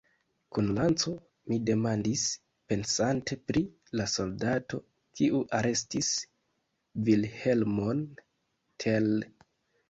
Kun lanco? mi demandis, pensante pri la soldato, kiu arestis Vilhelmon Tell.